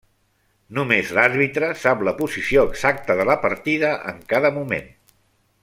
Només l'àrbitre sap la posició exacta de la partida en cada moment.